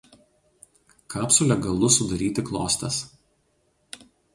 Kapsulė galu sudaryti klostes.